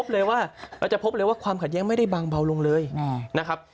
เลยว่าเราจะพบเลยว่าความขัดแย้งไม่ได้บางเบาลงเลยนะครับ